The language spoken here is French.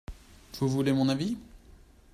Vous voulez mon avis?